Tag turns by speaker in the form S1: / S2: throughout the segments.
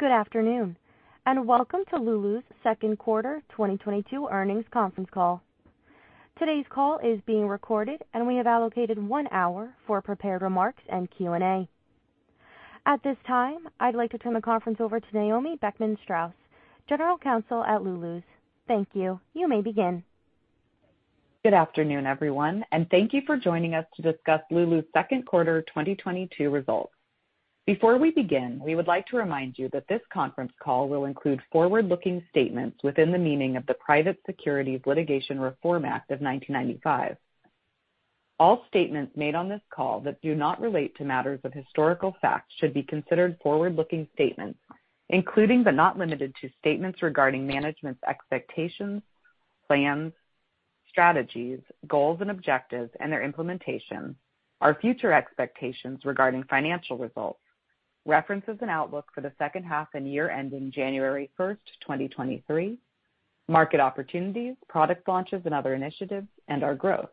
S1: Good afternoon, and welcome to Lulu's Q2 2022 earnings conference call. Today's call is being recorded, and we have allocated one hour for prepared remarks and Q&A. At this time, I'd like to turn the conference over to Naomi Beckman-Straus, General Counsel at Lulu's. Thank you. You may begin.
S2: Good afternoon, everyone, and thank you for joining us to discuss Lulu's Q2 2022 results. Before we begin, we would like to remind you that this conference call will include forward-looking statements within the meaning of the Private Securities Litigation Reform Act of 1995. All statements made on this call that do not relate to matters of historical fact should be considered forward-looking statements, including but not limited to statements regarding management's expectations, plans, strategies, goals, and objectives and their implementation. Our future expectations regarding financial results, revenue and outlook for the second half and year ending January 1st, 2023, market opportunities, product launches and other initiatives, and our growth.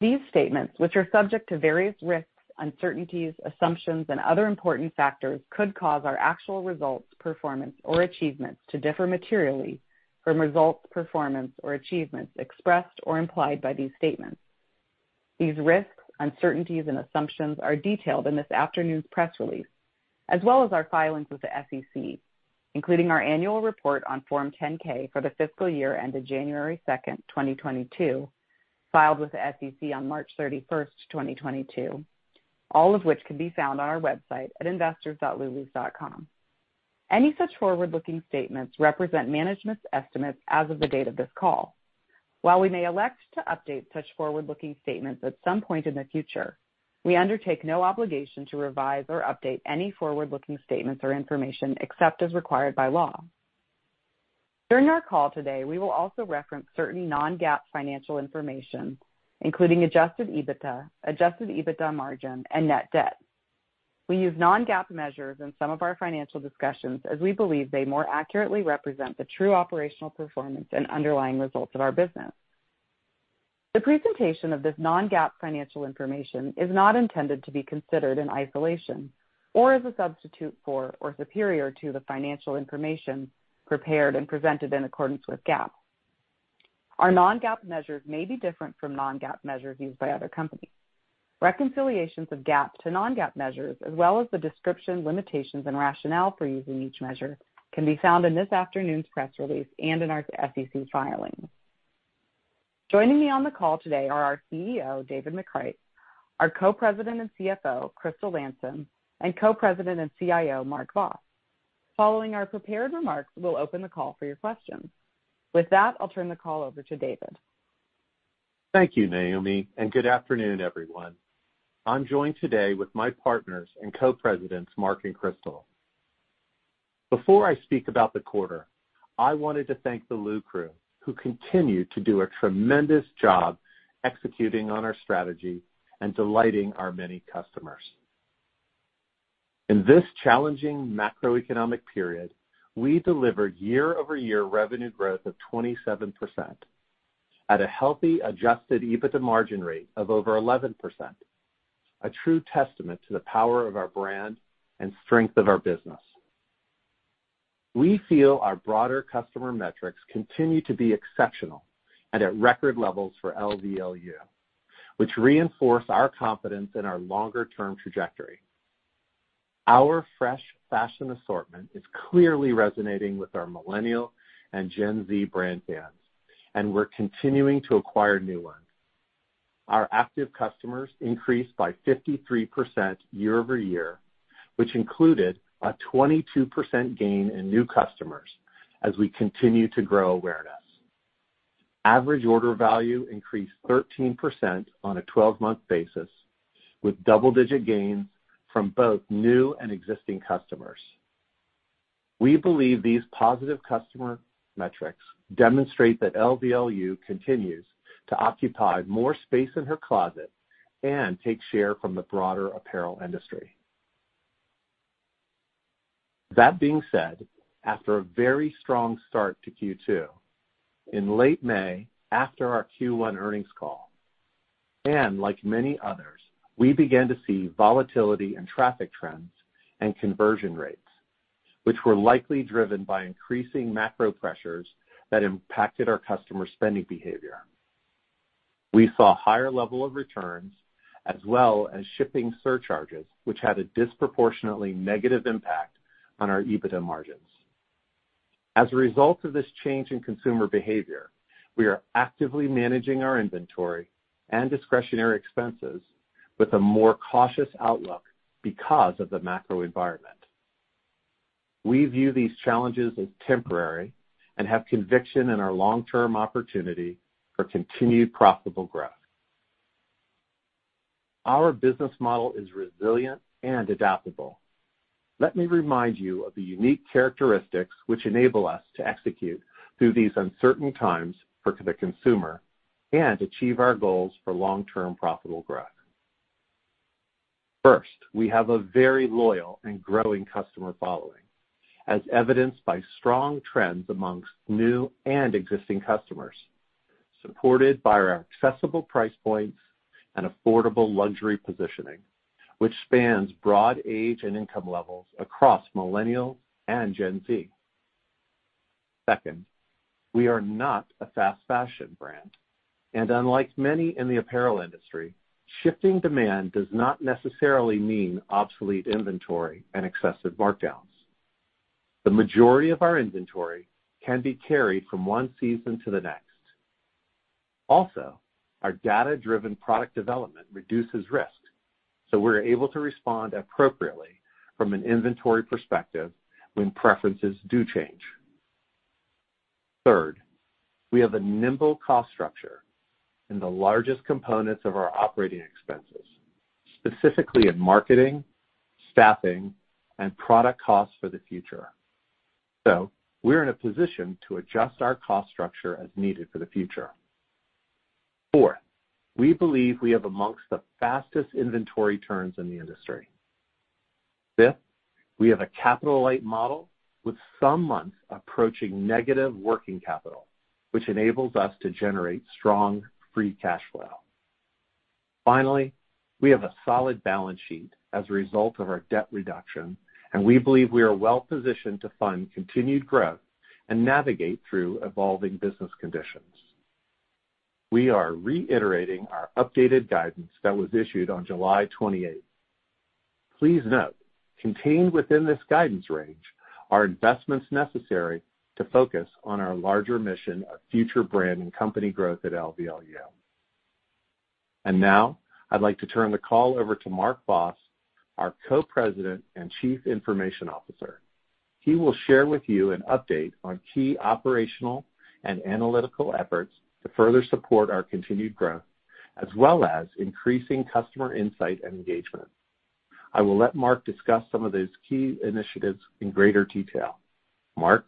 S2: These statements, which are subject to various risks, uncertainties, assumptions, and other important factors, could cause our actual results, performance, or achievements to differ materially from results, performance, or achievements expressed or implied by these statements. These risks, uncertainties, and assumptions are detailed in this afternoon's press release, as well as our filings with the SEC, including our annual report on Form 10-K for the fiscal year ended January 2nd, 2022, filed with the SEC on March 31st, 2022, all of which can be found on our website at investors.Lulus.com. Any such forward-looking statements represent management's estimates as of the date of this call. While we may elect to update such forward-looking statements at some point in the future, we undertake no obligation to revise or update any forward-looking statements or information except as required by law. During our call today, we will also reference certain non-GAAP financial information, including adjusted EBITDA, adjusted EBITDA margin, and net debt. We use non-GAAP measures in some of our financial discussions as we believe they more accurately represent the true operational performance and underlying results of our business. The presentation of this non-GAAP financial information is not intended to be considered in isolation or as a substitute for or superior to the financial information prepared and presented in accordance with GAAP. Our non-GAAP measures may be different from non-GAAP measures used by other companies. Reconciliations of GAAP to non-GAAP measures, as well as the description, limitations, and rationale for using each measure, can be found in this afternoon's press release and in our SEC filings. Joining me on the call today are our CEO, David McCreight, our Co-President and CFO, Crystal Landsem, and Co-President and CIO, Mark Vos. Following our prepared remarks, we'll open the call for your questions. With that, I'll turn the call over to David.
S3: Thank you, Naomi, and good afternoon, everyone. I'm joined today with my partners and co-presidents, Mark and Crystal. Before I speak about the quarter, I wanted to thank the LuCrew, who continue to do a tremendous job executing on our strategy and delighting our many customers. In this challenging macroeconomic period, we delivered year-over-year revenue growth of 27% at a healthy adjusted EBITDA margin rate of over 11%, a true testament to the power of our brand and strength of our business. We feel our broader customer metrics continue to be exceptional and at record levels for LVLU, which reinforce our confidence in our longer-term trajectory. Our fresh fashion assortment is clearly resonating with our Millennial and Gen Z brand fans, and we're continuing to acquire new ones. Our active customers increased by 53% year-over-year, which included a 22% gain in new customers as we continue to grow awareness. Average order value increased 13% on a 12-month basis, with double-digit gains from both new and existing customers. We believe these positive customer metrics demonstrate that LVLU continues to occupy more space in her closet and take share from the broader apparel industry. That being said, after a very strong start to Q2, in late May, after our Q1 earnings call, and like many others, we began to see volatility in traffic trends and conversion rates, which were likely driven by increasing macro pressures that impacted our customer spending behavior. We saw higher level of returns as well as shipping surcharges, which had a disproportionately negative impact on our EBITDA margins. As a result of this change in consumer behavior, we are actively managing our inventory and discretionary expenses with a more cautious outlook because of the macro environment. We view these challenges as temporary and have conviction in our long-term opportunity for continued profitable growth. Our business model is resilient and adaptable. Let me remind you of the unique characteristics which enable us to execute through these uncertain times for the consumer and achieve our goals for long-term profitable growth. First, we have a very loyal and growing customer following. As evidenced by strong trends amongst new and existing customers, supported by our accessible price points and affordable luxury positioning, which spans broad age and income levels across Millennial and Gen Z. Second, we are not a fast fashion brand, and unlike many in the apparel industry, shifting demand does not necessarily mean obsolete inventory and excessive markdowns. The majority of our inventory can be carried from one season to the next. Also, our data-driven product development reduces risk, so we're able to respond appropriately from an inventory perspective when preferences do change. Third, we have a nimble cost structure in the largest components of our operating expenses, specifically in marketing, staffing, and product costs for the future. We're in a position to adjust our cost structure as needed for the future. Fourth, we believe we have amongst the fastest inventory turns in the industry. Fifth, we have a capital-light model with some months approaching negative working capital, which enables us to generate strong free cash flow. Finally, we have a solid balance sheet as a result of our debt reduction, and we believe we are well positioned to fund continued growth and navigate through evolving business conditions. We are reiterating our updated guidance that was issued on July 28th. Please note, contained within this guidance range are investments necessary to focus on our larger mission of future brand and company growth at LVLU. Now I'd like to turn the call over to Mark Vos, our Co-President and Chief Information Officer. He will share with you an update on key operational and analytical efforts to further support our continued growth, as well as increasing customer insight and engagement. I will let Mark discuss some of those key initiatives in greater detail. Mark?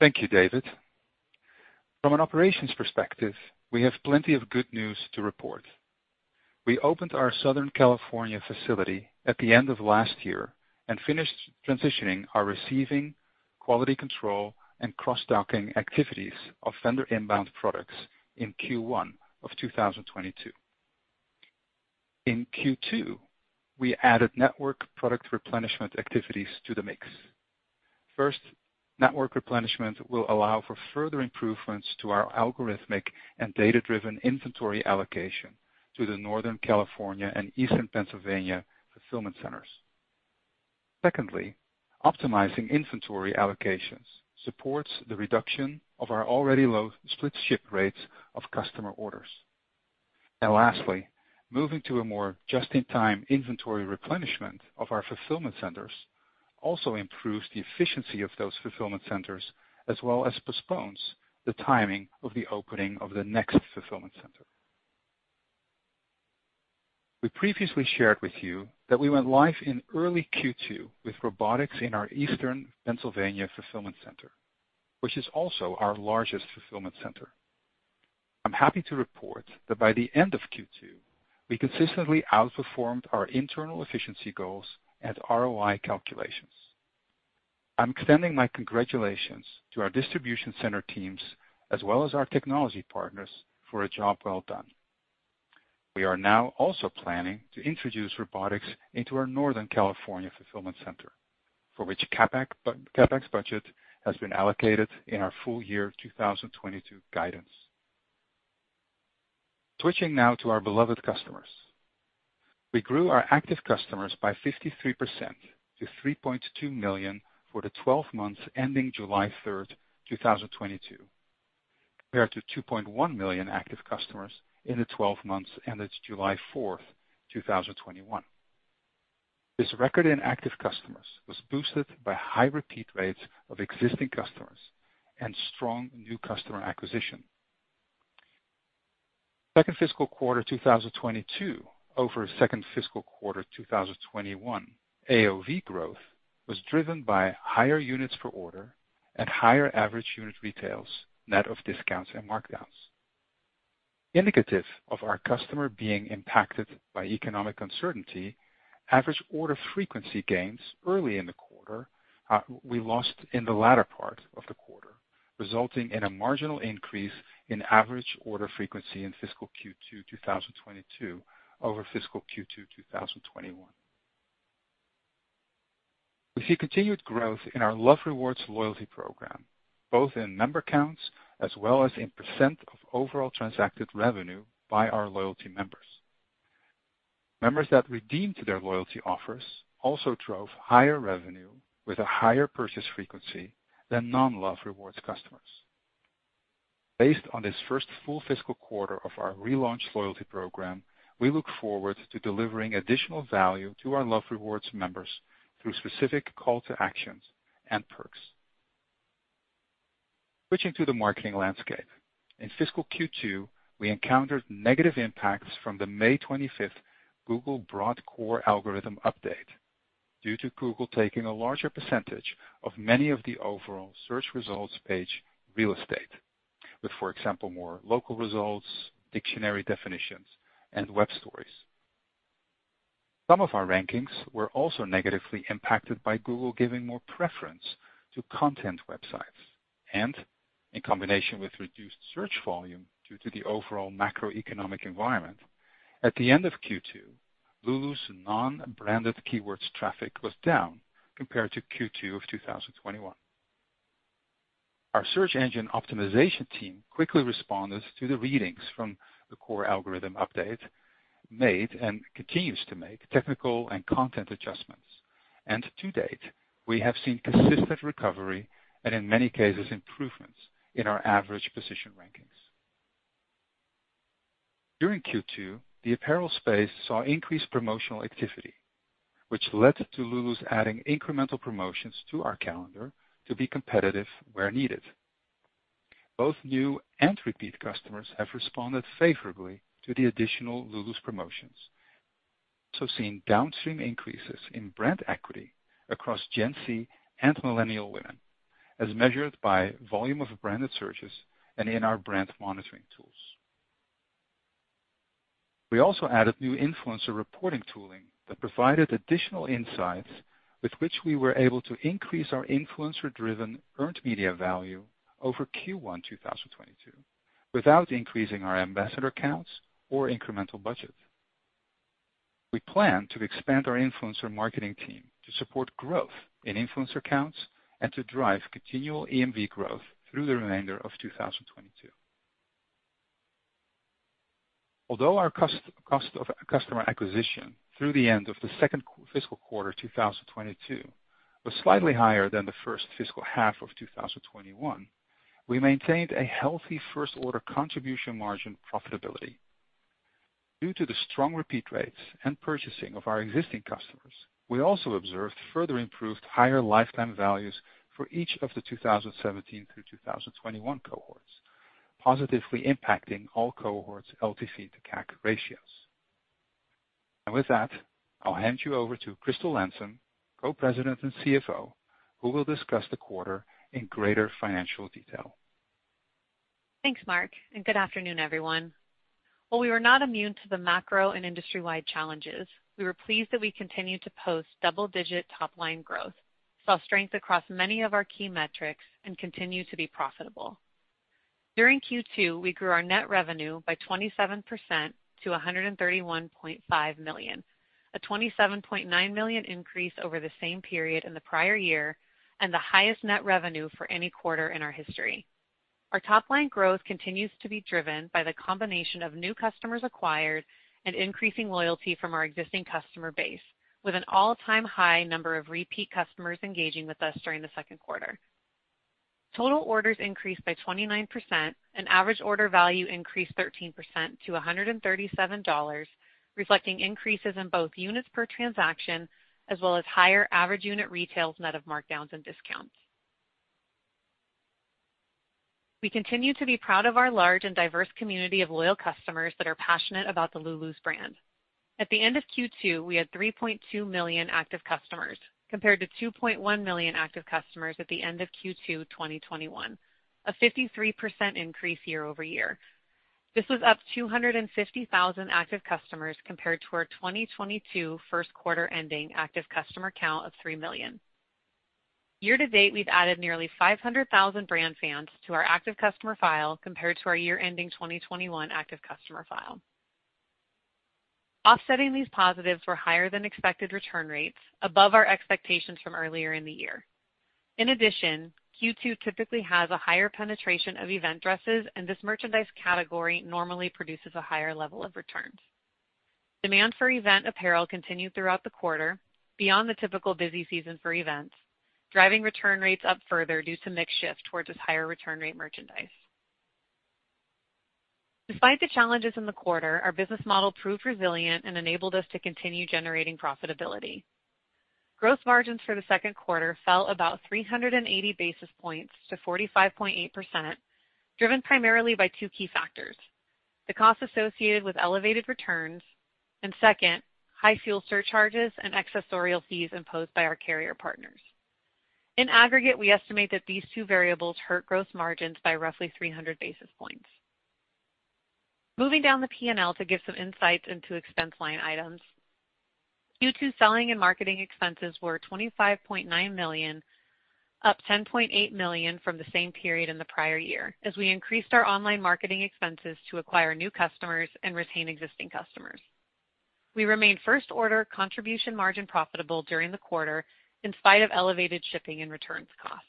S4: Thank you, David. From an operations perspective, we have plenty of good news to report. We opened our Southern California facility at the end of last year and finished transitioning our receiving, quality control, and cross-docking activities of vendor inbound products in Q1 of 2022. In Q2, we added network product replenishment activities to the mix. First, network replenishment will allow for further improvements to our algorithmic and data-driven inventory allocation to the Northern California and Eastern Pennsylvania fulfillment centers. Secondly, optimizing inventory allocations supports the reduction of our already low split ship rates of customer orders. Lastly, moving to a more just-in-time inventory replenishment of our fulfillment centers also improves the efficiency of those fulfillment centers, as well as postpones the timing of the opening of the next fulfillment center. We previously shared with you that we went live in early Q2 with robotics in our Eastern Pennsylvania fulfillment center, which is also our largest fulfillment center. I'm happy to report that by the end of Q2, we consistently outperformed our internal efficiency goals and ROI calculations. I'm extending my congratulations to our distribution center teams as well as our technology partners for a job well done. We are now also planning to introduce robotics into our Northern California fulfillment center, for which CapEx budget has been allocated in our full year 2022 guidance. Switching now to our beloved customers. We grew our active customers by 53% to 3.2 million for the twelve months ending July 3rd, 2022, compared to 2.1 million active customers in the twelve months ended July 4th, 2021. This record in active customers was boosted by high repeat rates of existing customers and strong new customer acquisition. Second fiscal quarter 2022 over second fiscal quarter 2021 AOV growth was driven by higher units per order and higher average unit retail, net of discounts and markdowns. Indicative of our customer being impacted by economic uncertainty, average order frequency gains early in the quarter, we lost in the latter part of the quarter, resulting in a marginal increase in average order frequency in fiscal Q2 2022 over fiscal Q2 2021. We see continued growth in our Love Rewards loyalty program, both in member counts as well as in percent of overall transacted revenue by our loyalty members. Members that redeemed their loyalty offers also drove higher revenue with a higher purchase frequency than non-Love Rewards customers. Based on this first full fiscal quarter of our relaunched loyalty program, we look forward to delivering additional value to our Love Rewards members through specific call to actions and perks. Switching to the marketing landscape. In fiscal Q2, we encountered negative impacts from the May 25th Google broad core algorithm update due to Google taking a larger percentage of many of the overall search results page real estate with, for example, more local results, dictionary definitions, and web stories. Some of our rankings were also negatively impacted by Google giving more preference to content websites and in combination with reduced search volume due to the overall macroeconomic environment. At the end of Q2, Lulu's non-branded keywords traffic was down compared to Q2 of 2021. Our search engine optimization team quickly responded to the readings from the core algorithm update made, and continues to make technical and content adjustments. To date, we have seen consistent recovery and in many cases improvements in our average position rankings. During Q2, the apparel space saw increased promotional activity, which led to Lulu's adding incremental promotions to our calendar to be competitive where needed. Both new and repeat customers have responded favorably to the additional Lulu's promotions, also seeing downstream increases in brand equity across Gen Z and Millennial women, as measured by volume of branded searches and in our brand monitoring tools. We also added new influencer reporting tooling that provided additional insights with which we were able to increase our influencer driven earned media value over Q1 2022 without increasing our ambassador counts or incremental budget. We plan to expand our influencer marketing team to support growth in influencer counts and to drive continual EMV growth through the remainder of 2022. Although our cost of customer acquisition through the end of the second fiscal quarter 2022 was slightly higher than the first fiscal half of 2021, we maintained a healthy first order contribution margin profitability. Due to the strong repeat rates and purchasing of our existing customers, we also observed further improved higher lifetime values for each of the 2017 through 2021 cohorts, positively impacting all cohorts LTV to CAC ratios. With that, I'll hand you over to Crystal Landsem, Co-President and CFO, who will discuss the quarter in greater financial detail.
S5: Thanks, Mark, and good afternoon, everyone. While we were not immune to the macro and industry-wide challenges, we were pleased that we continued to post double-digit top line growth, saw strength across many of our key metrics, and continue to be profitable. During Q2, we grew our net revenue by 27% to $131.5 million, a $27.9 million increase over the same period in the prior year, and the highest net revenue for any quarter in our history. Our top line growth continues to be driven by the combination of new customers acquired and increasing loyalty from our existing customer base, with an all-time high number of repeat customers engaging with us during the Q2. Total orders increased by 29% and average order value increased 13% to $137, reflecting increases in both units per transaction as well as higher average unit retails net of markdowns and discounts. We continue to be proud of our large and diverse community of loyal customers that are passionate about the Lulu's brand. At the end of Q2, we had 3.2 million active customers, compared to 2.1 million active customers at the end of Q2 2021, a 53% increase year-over-year. This was up 250,000 active customers compared to our 2022 Q1 ending active customer count of 3 million. Year to date, we've added nearly 500,000 brand fans to our active customer file compared to our year ending 2021 active customer file. Offsetting these positives were higher than expected return rates above our expectations from earlier in the year. In addition, Q2 typically has a higher penetration of event dresses, and this merchandise category normally produces a higher level of returns. Demand for event apparel continued throughout the quarter, beyond the typical busy season for events, driving return rates up further due to mix shift towards this higher return rate merchandise. Despite the challenges in the quarter, our business model proved resilient and enabled us to continue generating profitability. Gross margins for the Q2 fell about 380 basis points to 45.8%, driven primarily by two key factors, the cost associated with elevated returns, and second, high fuel surcharges and accessorial fees imposed by our carrier partners. In aggregate, we estimate that these two variables hurt gross margins by roughly 300 basis points. Moving down the P&L to give some insights into expense line items. Q2 selling and marketing expenses were $25.9 million, up $10.8 million from the same period in the prior year, as we increased our online marketing expenses to acquire new customers and retain existing customers. We remained first order contribution margin profitable during the quarter in spite of elevated shipping and returns costs.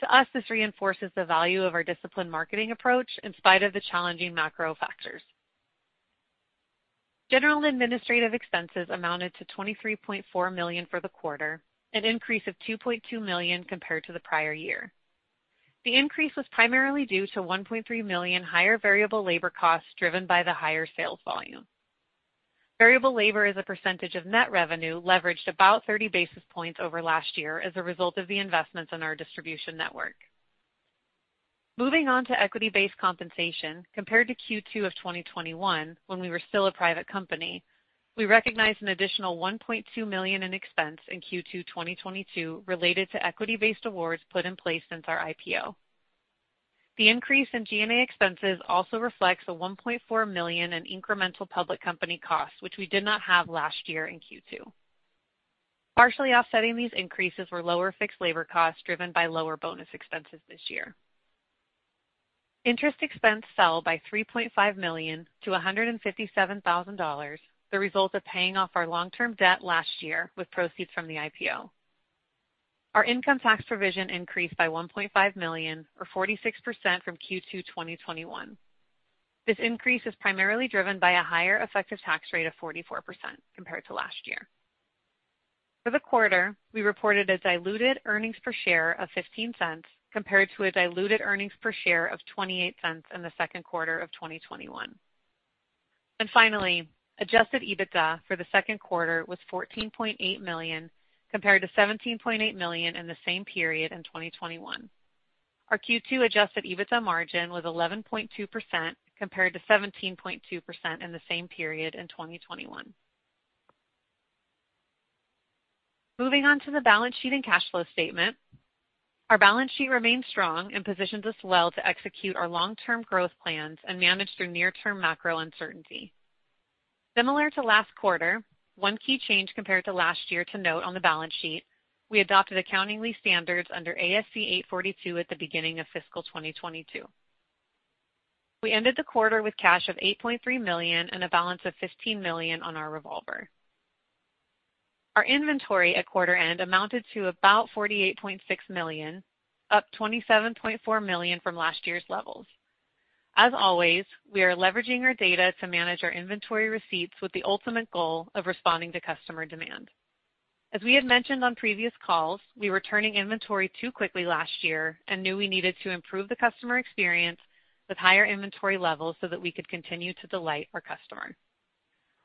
S5: To us, this reinforces the value of our disciplined marketing approach in spite of the challenging macro factors. General and administrative expenses amounted to $23.4 million for the quarter, an increase of $2.2 million compared to the prior year. The increase was primarily due to $1.3 million higher variable labor costs driven by the higher sales volume. Variable labor as a percentage of net revenue leveraged about 30 basis points over last year as a result of the investments in our distribution network. Moving on to equity-based compensation. Compared to Q2 of 2021, when we were still a private company, we recognized an additional $1.2 million in expense in Q2 2022 related to equity-based awards put in place since our IPO. The increase in G&A expenses also reflects a $1.4 million in incremental public company costs, which we did not have last year in Q2. Partially offsetting these increases were lower fixed labor costs driven by lower bonus expenses this year. Interest expense fell by $3.5 million to $157,000, the result of paying off our long-term debt last year with proceeds from the IPO. Our income tax provision increased by $1.5 million or 46% from Q2 2021. This increase is primarily driven by a higher effective tax rate of 44% compared to last year. For the quarter, we reported a diluted earnings per share of $0.15 compared to a diluted earnings per share of $0.28 in the Q2 of 2021. Finally, adjusted EBITDA for the Q2 was $14.8 million, compared to $17.8 million in the same period in 2021. Our Q2 adjusted EBITDA margin was 11.2%, compared to 17.2% in the same period in 2021. Moving on to the balance sheet and cash flow statement. Our balance sheet remains strong and positions us well to execute our long-term growth plans and manage through near-term macro uncertainty. Similar to last quarter, one key change compared to last year to note on the balance sheet, we adopted accounting standards under ASC 842 at the beginning of fiscal 2022. We ended the quarter with cash of $8.3 million and a balance of $15 million on our revolver. Our inventory at quarter end amounted to about $48.6 million, up $27.4 million from last year's levels. As always, we are leveraging our data to manage our inventory receipts with the ultimate goal of responding to customer demand. As we had mentioned on previous calls, we were turning inventory too quickly last year and knew we needed to improve the customer experience with higher inventory levels so that we could continue to delight our customers.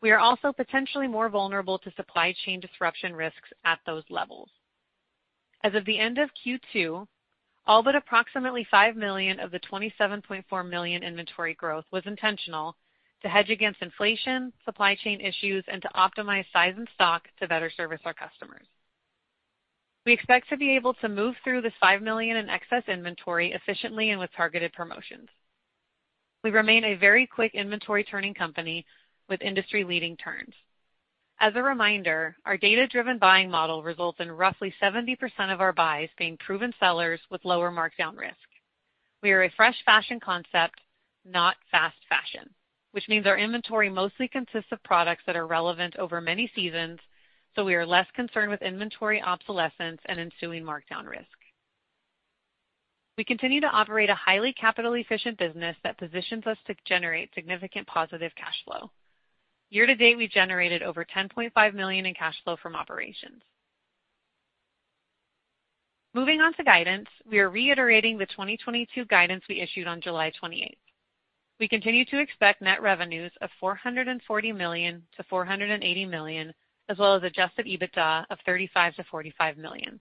S5: We are also potentially more vulnerable to supply chain disruption risks at those levels. As of the end of Q2, all but approximately $5 million of the $27.4 million inventory growth was intentional to hedge against inflation, supply chain issues, and to optimize size and stock to better service our customers. We expect to be able to move through this $5 million in excess inventory efficiently and with targeted promotions. We remain a very quick inventory turning company with industry-leading turns. As a reminder, our data-driven buying model results in roughly 70% of our buys being proven sellers with lower markdown risk. We are a fresh fashion concept, not fast fashion, which means our inventory mostly consists of products that are relevant over many seasons, so we are less concerned with inventory obsolescence and ensuing markdown risk. We continue to operate a highly capital efficient business that positions us to generate significant positive cash flow. Year to date, we generated over $10.5 million in cash flow from operations. Moving on to guidance, we are reiterating the 2022 guidance we issued on July 28th. We continue to expect net revenues of $440-$480 million, as well as adjusted EBITDA of $35-$45 million.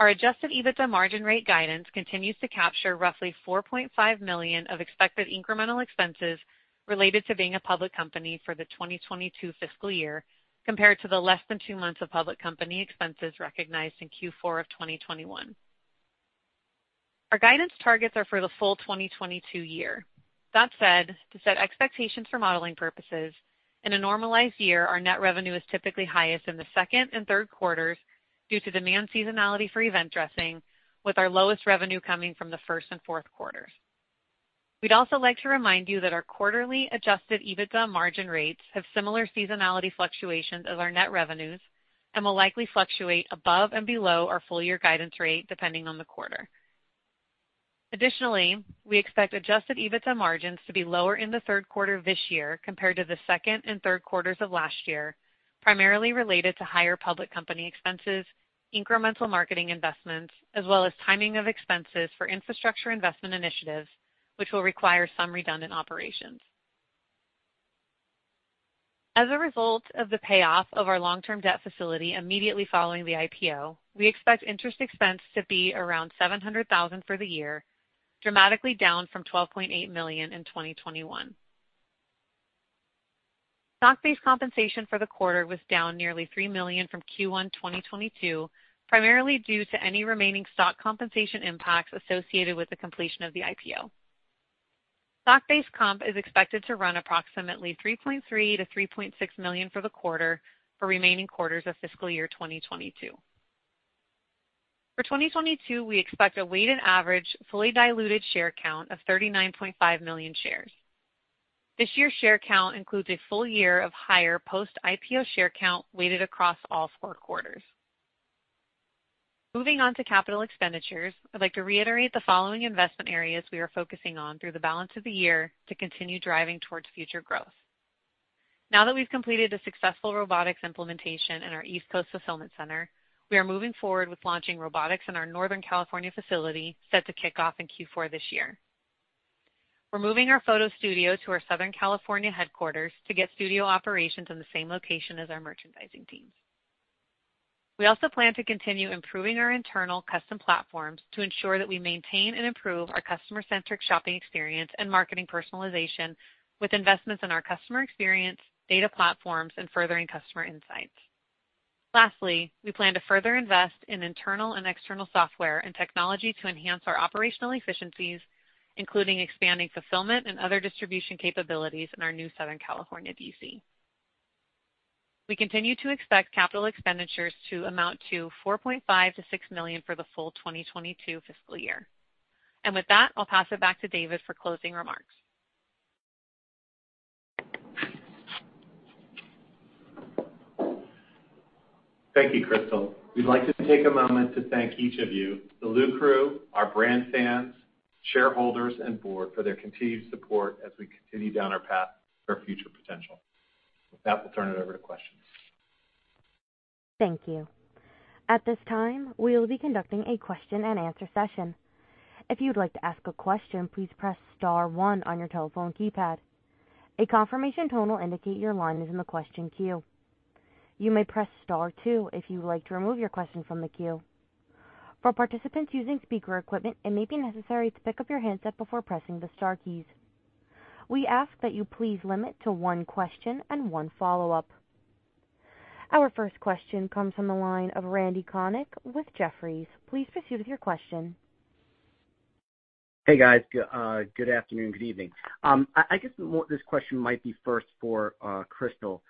S5: Our adjusted EBITDA margin rate guidance continues to capture roughly $4.5 millions of expected incremental expenses related to being a public company for the 2022 fiscal year, compared to the less than two months of public company expenses recognized in Q4 of 2021. Our guidance targets are for the full 2022 year. That said, to set expectations for modeling purposes, in a normalized year, our net revenue is typically highest in the second and Q3s due to demand seasonality for event dressing, with our lowest revenue coming from the first and Q4s. We'd also like to remind you that our quarterly adjusted EBITDA margin rates have similar seasonality fluctuations as our net revenues and will likely fluctuate above and below our full year guidance rate, depending on the quarter. Additionally, we expect adjusted EBITDA margins to be lower in the Q3 this year compared to the second and Q3s of last year, primarily related to higher public company expenses, incremental marketing investments, as well as timing of expenses for infrastructure investment initiatives, which will require some redundant operations. As a result of the payoff of our long-term debt facility immediately following the IPO, we expect interest expense to be around $700,000 for the year, dramatically down from $12.8 million in 2021. Stock-based compensation for the quarter was down nearly $3 million from Q1 2022, primarily due to any remaining stock compensation impacts associated with the completion of the IPO. Stock-based comp is expected to run approximately $3.3-$3.6 million for the quarter for remaining quarters of fiscal year 2022. For 2022, we expect a weighted average, fully diluted share count of 39.5 million shares. This year's share count includes a full year of higher post-IPO share count weighted across all four quarters. Moving on to capital expenditures, I'd like to reiterate the following investment areas we are focusing on through the balance of the year to continue driving towards future growth. Now that we've completed a successful robotics implementation in our East Coast fulfillment center, we are moving forward with launching robotics in our Northern California facility, set to kick off in Q4 this year. We're moving our photo studio to our Southern California headquarters to get studio operations in the same location as our merchandising teams. We also plan to continue improving our internal custom platforms to ensure that we maintain and improve our customer-centric shopping experience and marketing personalization with investments in our customer experience, data platforms, and furthering customer insights. Lastly, we plan to further invest in internal and external software and technology to enhance our operational efficiencies, including expanding fulfillment and other distribution capabilities in our new Southern California DC. We continue to expect capital expenditures to amount to $4.5-$6 million for the full 2022 fiscal year. With that, I'll pass it back to David for closing remarks.
S3: Thank you, Crystal. We'd like to take a moment to thank each of you, LuCrew, our brand fans, shareholders, and board for their continued support as we continue down our path for future potential. With that, we'll turn it over to questions.
S1: Thank you. At this time, we'll be conducting a question-and-answer session. If you'd like to ask a question, please press star one on your telephone keypad. A confirmation tone will indicate your line is in the question queue. You may press star two if you would like to remove your question from the queue. For participants using speaker equipment, it may be necessary to pick up your handset before pressing the star keys. We ask that you please limit to one question and one follow-up. Our first question comes from the line of Randal Konik with Jefferies. Please proceed with your question.
S6: Hey, guys. Good afternoon, good evening. I guess what this question might be first for Crystal.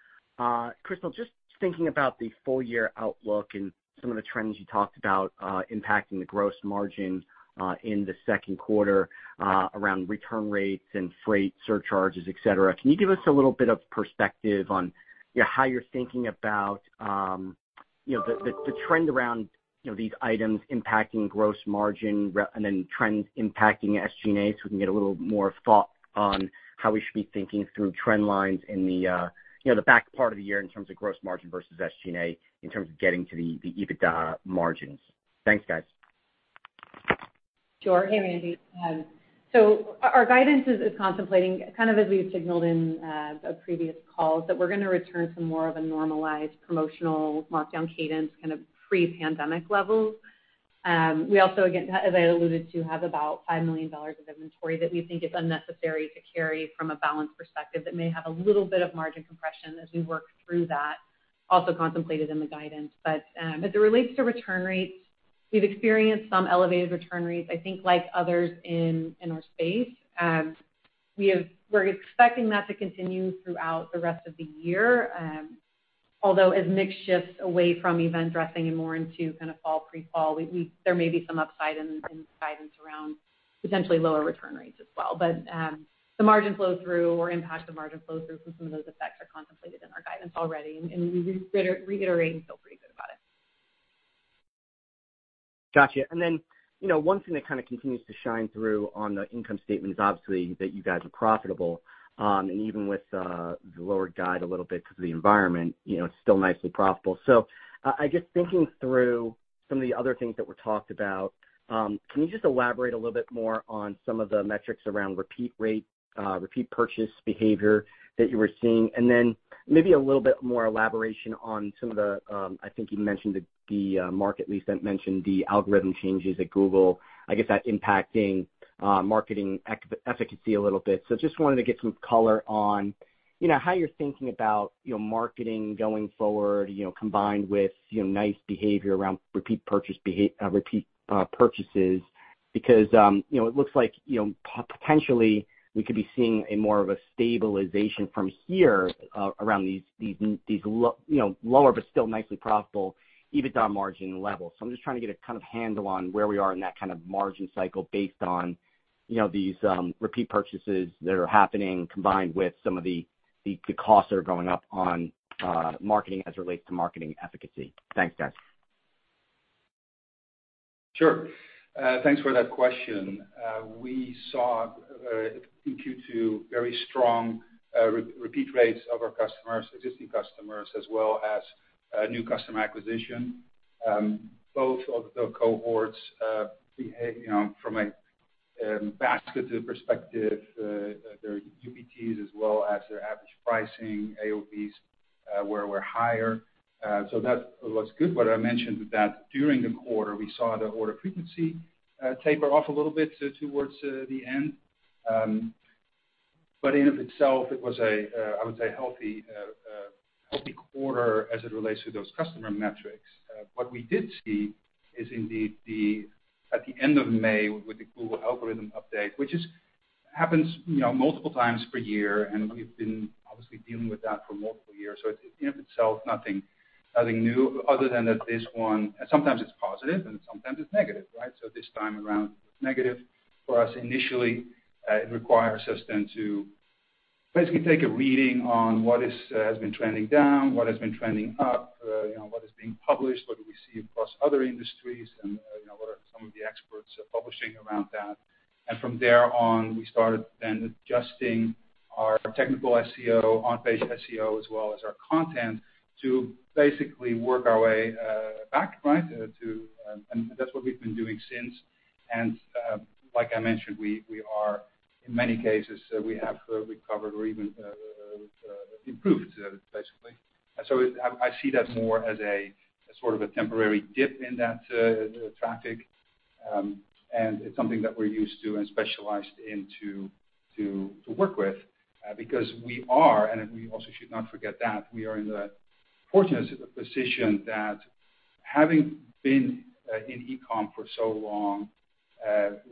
S6: Crystal, just thinking about the full-year outlook and some of the trends you talked about impacting the gross margin in the Q2 around return rates and freight surcharges, et cetera. Can you give us a little bit of perspective on, you know, how you're thinking about, you know, the trend around, you know, these items impacting gross margin and then trends impacting SG&A, so we can get a little more thought on how we should be thinking through trend lines in the, you know, the back part of the year in terms of gross margin versus SG&A in terms of getting to the EBITDA margins. Thanks, guys.
S5: Sure. Hey, Randy. Our guidance is contemplating kind of as we've signaled in the previous calls, that we're gonna return to more of a normalized promotional markdown cadence, kind of pre-pandemic levels. We also, again, as I alluded to, have about $5 million of inventory that we think is unnecessary to carry from a balance perspective. That may have a little bit of margin compression as we work through that, also contemplated in the guidance. As it relates to return rates, we've experienced some elevated return rates, I think like others in our space. We're expecting that to continue throughout the rest of the year. Although as mix shifts away from event dressing and more into kind of fall, pre-fall, there may be some upside in the guidance around potentially lower return rates as well. The margin flow-through or impact to margin flow-through from some of those effects are contemplated in our guidance already, and we're reiterating. We feel pretty good about it.
S6: Gotcha. You know, one thing that kind of continues to shine through on the income statement is obviously that you guys are profitable. Even with the lower guidance a little bit because of the environment, you know, it's still nicely profitable. I guess thinking through some of the other things that were talked about, can you just elaborate a little bit more on some of the metrics around repeat rate, repeat purchase behavior that you were seeing? Maybe a little bit more elaboration on some of the. I think you mentioned the marketing, Mark Vos mentioned the algorithm changes at Google, I guess that impacting marketing efficacy a little bit. Just wanted to get some color on, you know, how you're thinking about, you know, marketing going forward, you know, combined with, you know, nice behavior around repeat purchases. Because, you know, it looks like, you know, potentially we could be seeing a more of a stabilization from here, around these lower but still nicely profitable EBITDA margin levels. I'm just trying to get a kind of handle on where we are in that kind of margin cycle based on, you know, these repeat purchases that are happening combined with some of the costs that are going up on marketing as it relates to marketing efficacy. Thanks, guys.
S3: Sure. Thanks for that question. We saw in Q2 very strong repeat rates of our customers, existing customers, as well as new customer acquisition. Both of the cohorts, you know, from a basket perspective, their UPTs as well as their average pricing, AOVs, were higher. So that looks good. But I mentioned that during the quarter, we saw the order frequency taper off a little bit towards the end. But in and of itself, it was a, I would say, healthy quarter as it relates to those customer metrics. What we did see is indeed at the end of May with the Google algorithm update, which happens, you know, multiple times per year, and we've been obviously dealing with that for multiple years. In and of itself, nothing new other than that this one. Sometimes it's positive and sometimes it's negative, right? This time around, it's negative for us initially. It requires us then to basically take a reading on what has been trending down, what has been trending up, you know, what is being published, what do we see across other industries, and you know, what are some of the experts publishing around that. From there on, we started then adjusting our technical SEO, on-page SEO, as well as our content to basically work our way back, right, too. That's what we've been doing since. Like I mentioned, we have, in many cases, recovered or even improved basically. I see that more as a sort of a temporary dip in that traffic, and it's something that we're used to and specialized in to work with, because we are, and we also should not forget that we are in the fortunate position that having been in e-com for so long,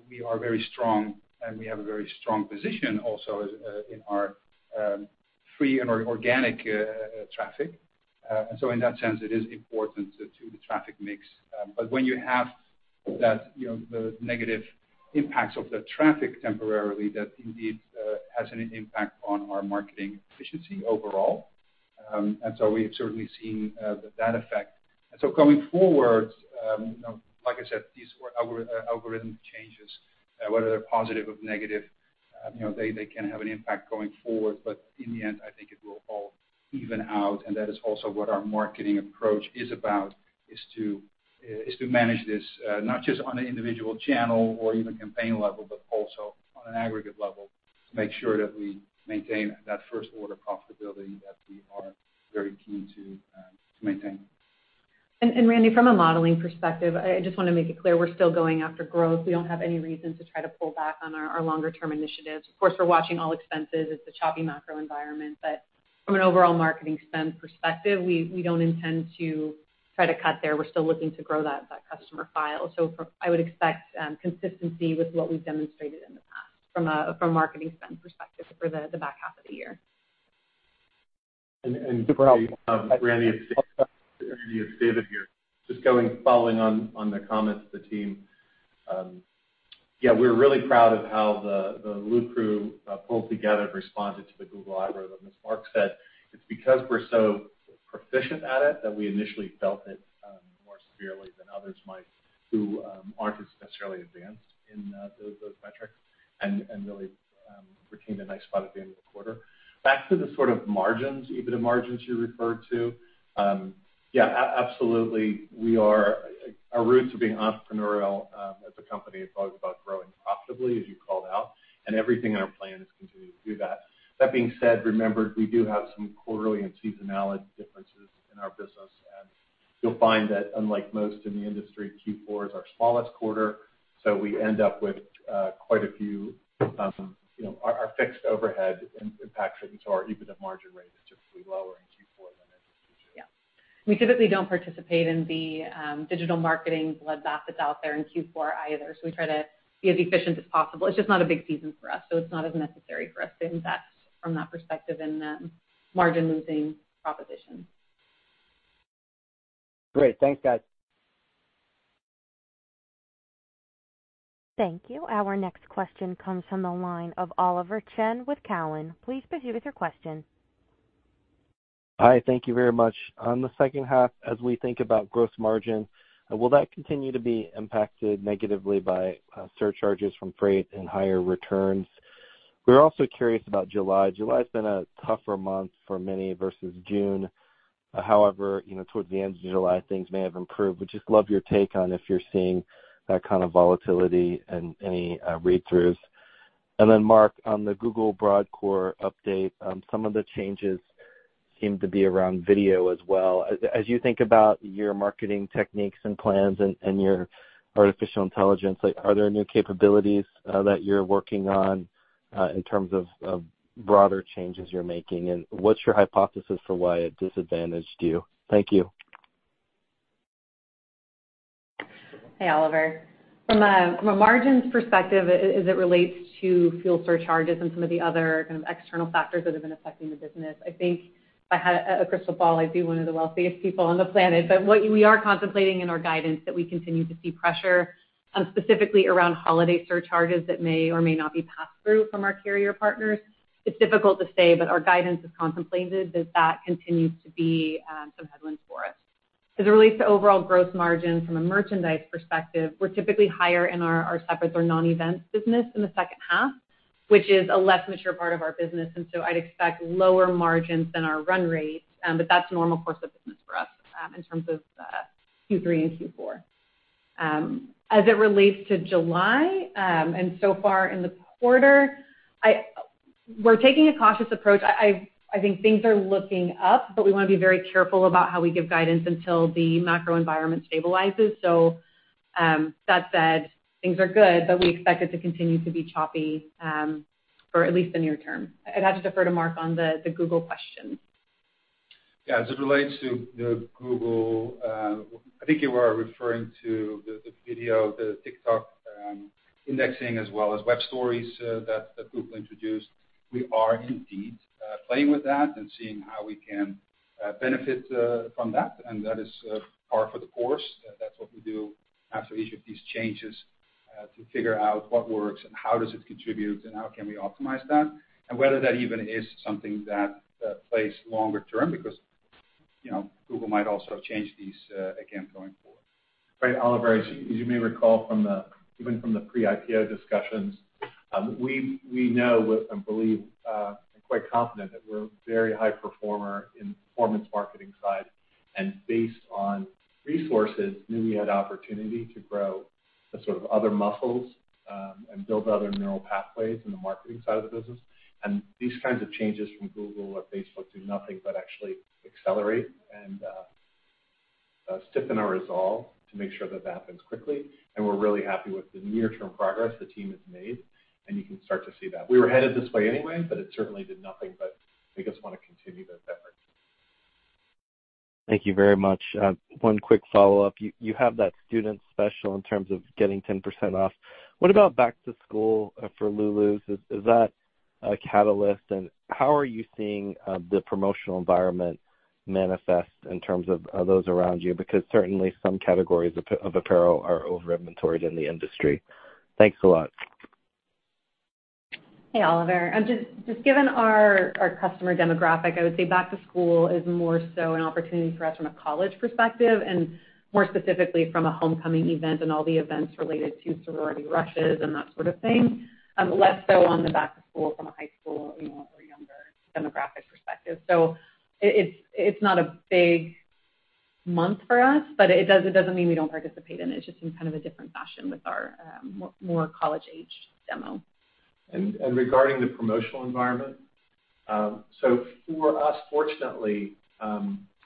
S3: we are very strong, and we have a very strong position also in our paid and our organic traffic. In that sense, it is important to the traffic mix. But when you have that, you know, the negative impacts of the traffic temporarily, that indeed has an impact on our marketing efficiency overall. We've certainly seen that effect. Going forward, you know, like I said, these algorithm changes, whether they're positive or negative, you know, they can have an impact going forward. But in the end, I think it will all even out. That is also what our marketing approach is about, is to manage this, not just on an individual channel or even campaign level, but also on an aggregate level, to make sure that we maintain that first order profitability that we are very keen to maintain.
S5: Randy, from a modeling perspective, I just wanna make it clear we're still going after growth. We don't have any reason to try to pull back on our longer term initiatives. Of course, we're watching all expenses. It's a choppy macro environment. From an overall marketing spend perspective, we don't intend to try to cut there. We're still looking to grow that customer file. I would expect consistency with what we've demonstrated in the past from a marketing spend perspective for the back half of the year.
S3: Randal, it's David here. Just following on the comments of the team. Yeah, we're really proud of how the LuCrew pulled together and responded to the Google algorithm. As Mark said, it's because we're so proficient at it that we initially felt it more severely than others might who aren't as necessarily advanced in those metrics and really retained a nice spot at the end of the quarter. Back to the sort of margins, EBITDA margins you referred to. Yeah, absolutely, we are. Our roots of being entrepreneurial as a company is always about growing profitably, as you called out, and everything in our plan is continuing to do that. That being said, remember, we do have some quarterly and seasonality differences in our business. You'll find that unlike most in the industry, Q4 is our smallest quarter, so we end up with quite a few, you know. Our fixed overhead impacts into our EBITDA margin rate, which are usually lower in Q4 than it is.
S5: Yeah. We typically don't participate in the digital marketing bloodbath that's out there in Q4 either. We try to be as efficient as possible. It's just not a big season for us, so it's not as necessary for us to invest from that perspective in the margin-losing proposition.
S6: Great. Thanks, guys.
S1: Thank you. Our next question comes from the line of Oliver Chen with Cowen. Please proceed with your question.
S7: Hi. Thank you very much. On the second half, as we think about gross margin, will that continue to be impacted negatively by, surcharges from freight and higher returns? We're also curious about July. July's been a tougher month for many versus June. However, you know, towards the end of July, things may have improved. Would just love your take on if you're seeing that kind of volatility and any, read-throughs. Mark, on the Google broad core update, some of the changes seem to be around video as well. As you think about your marketing techniques and plans and your artificial intelligence, like, are there new capabilities that you're working on in terms of broader changes you're making? What's your hypothesis for why it disadvantaged you? Thank you.
S5: Hey, Oliver. From a margins perspective, as it relates to fuel surcharges and some of the other kind of external factors that have been affecting the business, I think if I had a crystal ball, I'd be one of the wealthiest people on the planet. What we are contemplating in our guidance that we continue to see pressure, specifically around holiday surcharges that may or may not be passed through from our carrier partners. It's difficult to say, but our guidance is contemplated that that continues to be some headwinds for us. As it relates to overall growth margin from a merchandise perspective, we're typically higher in our separates or non-events business in the second half, which is a less mature part of our business, and so I'd expect lower margins than our run rates. That's normal course of business for us in terms of Q3 and Q4. As it relates to July and so far in the quarter, we're taking a cautious approach. I think things are looking up, but we wanna be very careful about how we give guidance until the macro environment stabilizes. That said, things are good, but we expect it to continue to be choppy for at least the near term. I'd have to defer to Mark on the Google question.
S3: Yeah, as it relates to the Google, I think you are referring to the video, the TikTok indexing as well as web stories that Google introduced. We are indeed playing with that and seeing how we can benefit from that, and that is par for the course. That's what we do after each of these changes to figure out what works and how does it contribute and how can we optimize that, and whether that even is something that plays longer term because, you know, Google might also change these again going forward. Right, Oliver, you may recall from the even from the pre-IPO discussions, we know and believe, are quite confident that we're a very high performer in performance marketing side. Based on resources, we knew we had opportunity to grow the sort of other muscles, and build other neural pathways in the marketing side of the business. These kinds of changes from Google or Facebook do nothing but actually accelerate and stiffen our resolve to make sure that happens quickly. We're really happy with the near term progress the team has made, and you can start to see that. We were headed this way anyway, but it certainly did nothing but make us wanna continue those efforts.
S7: Thank you very much. One quick follow-up. You have that student special in terms of getting 10% off. What about back to school for Lulu's? Is that a catalyst? How are you seeing the promotional environment manifest in terms of those around you? Because certainly some categories of apparel are over-inventoried in the industry. Thanks a lot.
S5: Hey, Oliver. Just given our customer demographic, I would say back to school is more so an opportunity for us from a college perspective and more specifically from a homecoming event and all the events related to sorority rushes and that sort of thing, less so on the back to school from a high school, you know, or a younger demographic perspective. It's not a big month for us, but it doesn't mean we don't participate in it. It's just in kind of a different fashion with our more college aged demo.
S3: Regarding the promotional environment. For us, fortunately,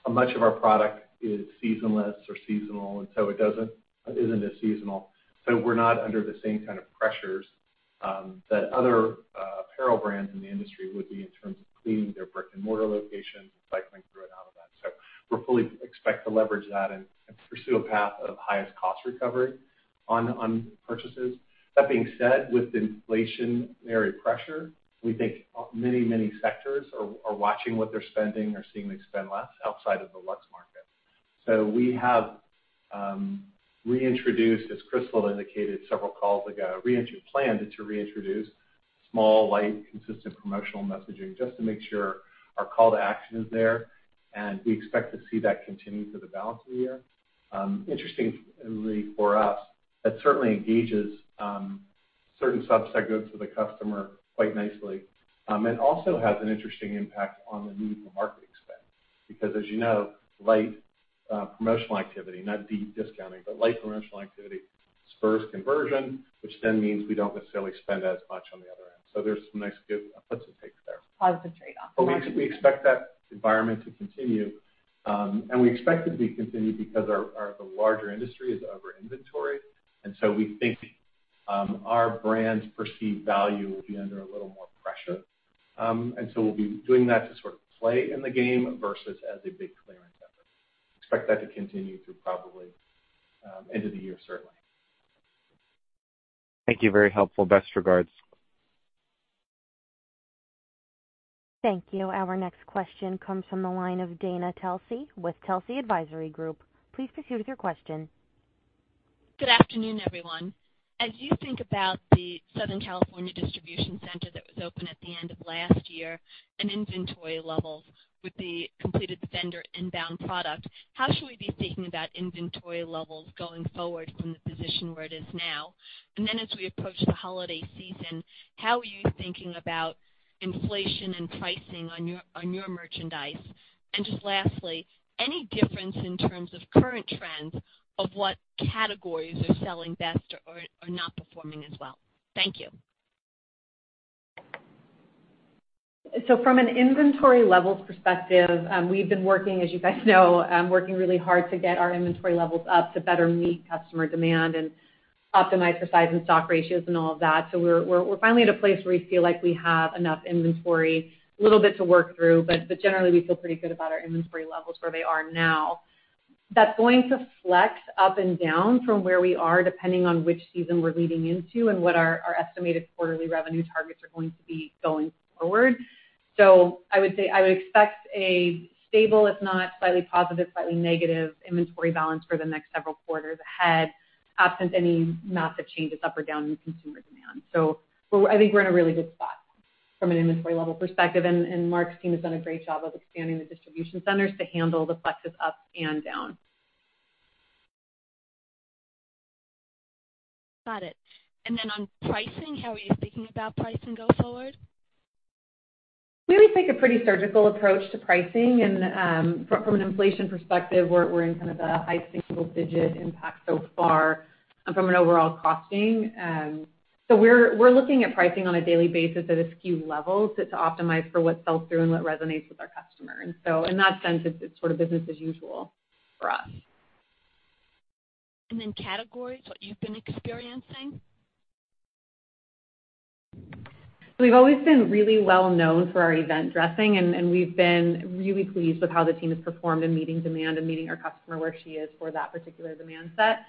S3: much of our product is seasonless or seasonal, and it isn't as seasonal. We're not under the same kind of pressures that other apparel brands in the industry would be in terms of clearing their brick-and-mortar locations and cycling through and out of that. We're fully expect to leverage that and pursue a path of highest cost recovery on purchases. That being said, with inflationary pressure, we think many sectors are watching what they're spending or seeing they spend less outside of the luxe market. We have reintroduced, as Crystal indicated several calls ago, planned to reintroduce small, light, consistent promotional messaging just to make sure our call to action is there, and we expect to see that continue through the balance of the year. Interestingly for us, that certainly engages certain subsets of the customer quite nicely, and also has an interesting impact on the need for marketing spend because as you know, light promotional activity, not deep discounting, but light promotional activity spurs conversion, which then means we don't necessarily spend as much on the other end. There's some nice puts and takes there.
S5: Positive trade-off.
S3: We expect that environment to continue, and we expect it to be continued because the larger industry is over-inventoried, and so we think our brand's perceived value will be under a little more pressure. We'll be doing that to sort of play in the game versus as a big clearance effort. Expect that to continue through probably end of the year, certainly.
S7: Thank you. Very helpful. Best regards.
S1: Thank you. Our next question comes from the line of Dana Telsey with Telsey Advisory Group. Please proceed with your question.
S8: Good afternoon, everyone. As you think about the Southern California distribution center that was open at the end of last year and inventory levels with the completed vendor inbound product, how should we be thinking about inventory levels going forward from the position where it is now? As we approach the holiday season, how are you thinking about inflation and pricing on your merchandise? Any difference in terms of current trends of what categories are selling best or are not performing as well? Thank you.
S5: From an inventory levels perspective, we've been working, as you guys know, working really hard to get our inventory levels up to better meet customer demand and optimize for size and stock ratios and all of that. We're finally at a place where we feel like we have enough inventory, a little bit to work through, but generally we feel pretty good about our inventory levels where they are now. That's going to flex up and down from where we are, depending on which season we're leading into and what our estimated quarterly revenue targets are going to be going forward. I would say I would expect a stable, if not slightly positive, slightly negative inventory balance for the next several quarters ahead, absent any massive changes up or down in consumer demand. I think we're in a really good spot from an inventory level perspective, and Mark's team has done a great job of expanding the distribution centers to handle the flexes up and down.
S8: Got it. On pricing, how are you thinking about pricing going forward?
S5: We always take a pretty surgical approach to pricing. From an inflation perspective, we're in kind of a high single digit impact so far from an overall costing. We're looking at pricing on a daily basis at a SKU level to optimize for what sells through and what resonates with our customer. In that sense, it's sort of business as usual for us.
S8: Categories, what you've been experiencing?
S5: We've always been really well known for our event dressing, and we've been really pleased with how the team has performed in meeting demand and meeting our customer where she is for that particular demand set.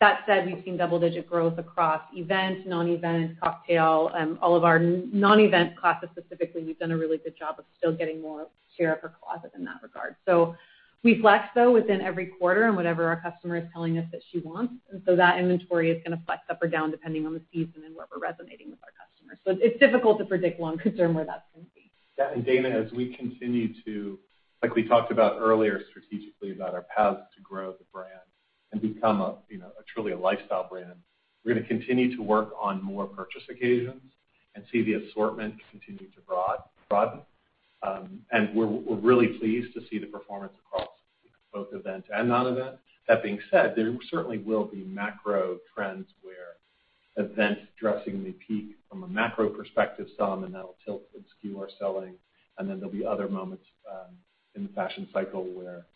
S5: That said, we've seen double-digit growth across event, non-event, cocktail, all of our non-event classes specifically. We've done a really good job of still getting more share of her closet in that regard. We flex, though, within every quarter and whatever our customer is telling us that she wants. That inventory is gonna flex up or down depending on the season and what we're resonating with our customers. It's difficult to predict long-term where that's gonna be.
S3: Yeah. Dana, as we continue to like we talked about earlier strategically about our path to grow the brand and become a you know a truly lifestyle brand, we're gonna continue to work on more purchase occasions and see the assortment continue to broaden. We're really pleased to see the performance across both event and non-event. That being said, there certainly will be macro trends where event dressing may peak from a macro perspective some, and that'll tilt and skew our selling. Then there'll be other moments in the fashion cycle where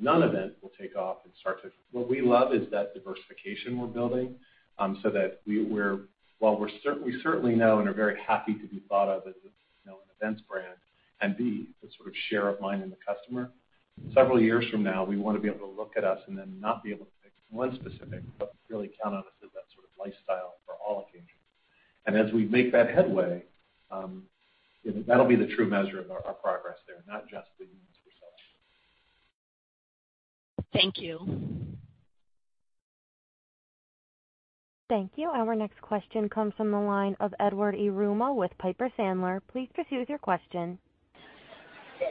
S3: non-event will take off and start to what we love is that diversification we're building so that we're while we're certainly know and are very happy to be thought of as you know an events brand and be the sort of share of mind in the customer. Several years from now, we wanna be able to look at us and then not be able to pick one specific, but really count on us as that sort of lifestyle for all occasions. As we make that headway, that'll be the true measure of our progress there, not just the units we sell. Thank you.
S1: Thank you. Our next question comes from the line of Edward Yruma with Piper Sandler. Please proceed with your question.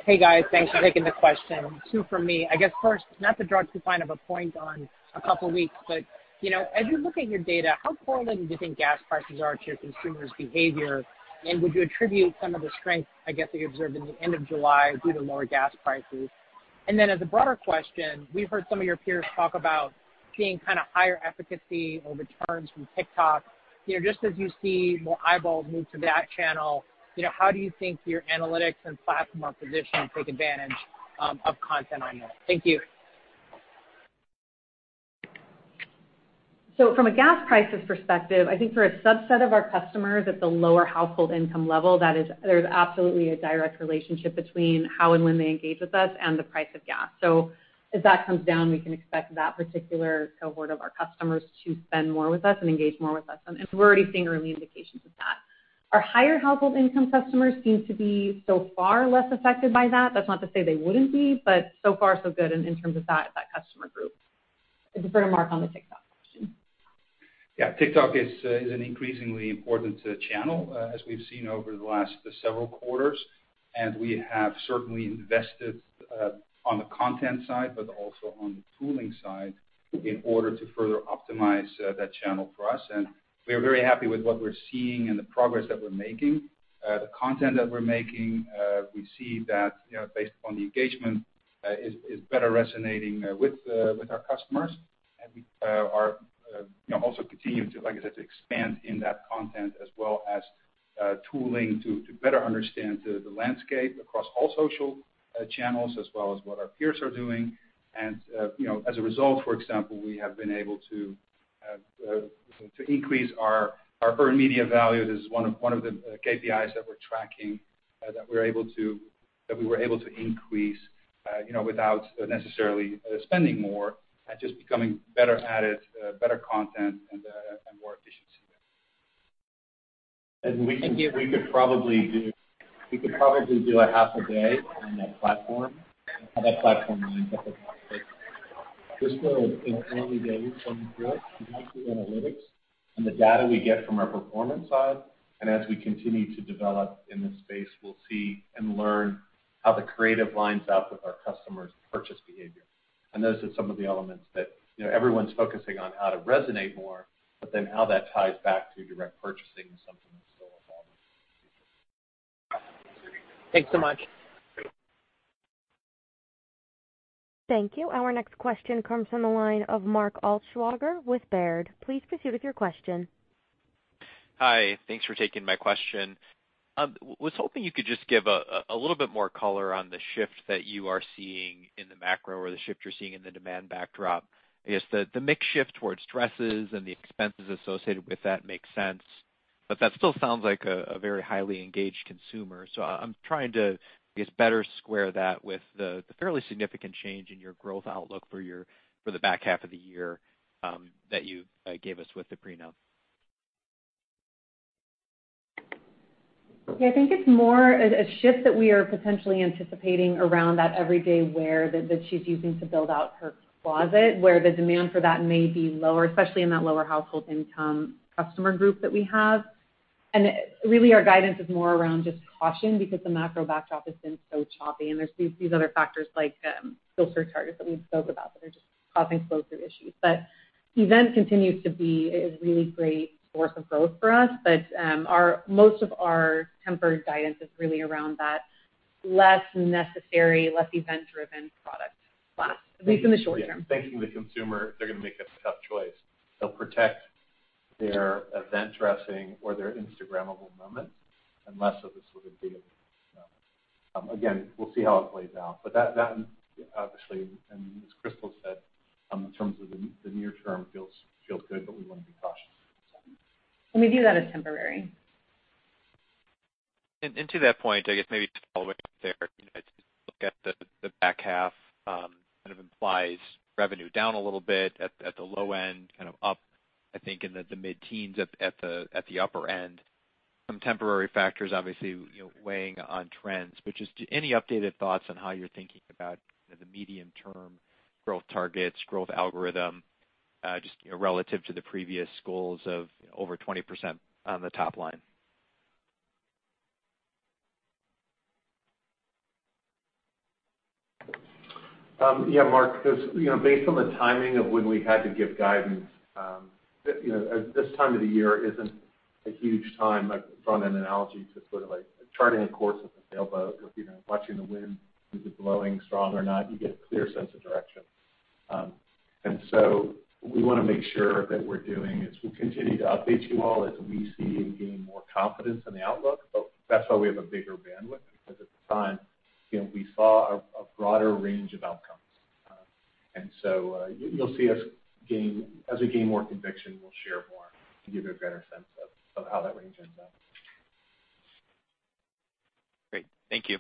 S9: Hey, guys. Thanks for taking the question. Two from me. I guess first, not to draw too fine of a point on a couple weeks, but, you know, as you look at your data, how correlated do you think gas prices are to your consumers' behavior? And would you attribute some of the strength, I guess, that you observed in the end of July due to lower gas prices? And then as a broader question, we've heard some of your peers talk about seeing kinda higher efficacy or returns from TikTok. You know, just as you see more eyeballs move to that channel, you know, how do you think your analytics and platform or position take advantage of content on there? Thank you.
S5: From a gas prices perspective, I think for a subset of our customers at the lower household income level, that is, there's absolutely a direct relationship between how and when they engage with us and the price of gas. As that comes down, we can expect that particular cohort of our customers to spend more with us and engage more with us. We're already seeing early indications of that. Our higher household income customers seem to be so far less affected by that. That's not to say they wouldn't be, but so far so good in terms of that customer group. I can throw to Mark on the TikTok question.
S3: Yeah. TikTok is an increasingly important channel, as we've seen over the last several quarters, and we have certainly invested on the content side, but also on the tooling side in order to further optimize that channel for us. We are very happy with what we're seeing and the progress that we're making. The content that we're making, we see that, you know, based upon the engagement, is better resonating with our customers. We are, you know, also continuing to, like I said, expand in that content as well as tooling to better understand the landscape across all social channels as well as what our peers are doing. You know, as a result, for example, we have been able to increase our earned media value. This is one of the KPIs that we're tracking that we were able to increase, you know, without necessarily spending more, just becoming better at it, better content and more efficiency there.
S9: We can give-
S3: We could probably do a half a day on that platform, how that platform lines up with this will in early days when we do it. We have the analytics and the data we get from our performance side. As we continue to develop in this space, we'll see and learn how the creative lines up with our customers' purchase behavior. Those are some of the elements that, you know, everyone's focusing on how to resonate more, but then how that ties back to direct purchasing is something that's still evolving.
S9: Thanks so much.
S1: Thank you. Our next question comes from the line of Mark Altschwager with Baird. Please proceed with your question.
S10: Hi. Thanks for taking my question. Was hoping you could just give a little bit more color on the shift that you are seeing in the macro or the shift you're seeing in the demand backdrop. I guess the mix shift towards dresses and the expenses associated with that makes sense, but that still sounds like a very highly engaged consumer. I'm trying to, I guess, better square that with the fairly significant change in your growth outlook for the back half of the year that you gave us with the pre-announcement.
S5: Yeah. I think it's more a shift that we are potentially anticipating around that everyday wear that she's using to build out her closet, where the demand for that may be lower, especially in that lower household income customer group that we have. Really, our guidance is more around just caution because the macro backdrop has been so choppy, and there's these other factors like filter targets that we've spoke about that are just causing closer issues. Event continues to be a really great source of growth for us. Most of our tempered guidance is really around that less necessary, less event-driven product class, at least in the short term.
S3: Yeah. Thinking the consumer, they're gonna make a tough choice. They'll protect their event dressing or their Instagrammable moment and less of the sort of day-to-day moment. Again, we'll see how it plays out. That obviously, and as Crystal said, in terms of the near term feels good, but we wanna be cautious.
S5: We view that as temporary.
S10: To that point, I guess maybe just following up there, you know, to look at the back half, kind of implies revenue down a little bit at the low end, kind of up, I think, in the mid-teens at the upper end. Some temporary factors obviously, you know, weighing on trends. Just any updated thoughts on how you're thinking about the medium term growth targets, growth algorithm, just, you know, relative to the previous goals of over 20% on the top line?
S3: Yeah, Mark. Because, you know, based on the timing of when we had to give guidance, this time of the year isn't a huge time. I've drawn an analogy to sort of like charting a course with a sailboat or, you know, watching the wind, is it blowing strong or not? You get a clear sense of direction. We wanna make sure that we're doing as we continue to update you all, as we see and gain more confidence in the outlook. That's why we have a bigger bandwidth, because at the time, you know, we saw a broader range of outcomes. You'll see us gain. As we gain more conviction, we'll share more to give you a better sense of how that range ends up.
S10: Great. Thank you.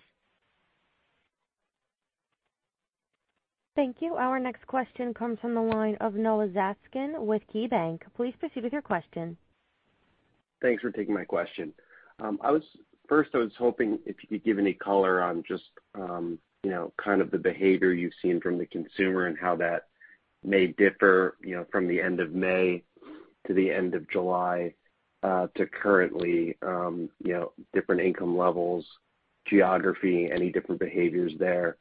S1: Thank you. Our next question comes from the line of Noah Zatzkin with KeyBanc. Please proceed with your question.
S11: Thanks for taking my question. First, I was hoping if you could give any color on just, you know, kind of the behavior you've seen from the consumer and how that may differ, you know, from the end of May to the end of July, to currently, you know, different income levels, geography, any different behaviors there.